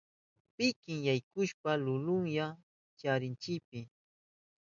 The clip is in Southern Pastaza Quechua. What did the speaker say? Piki yaykushpan lulunyan chakinchipi.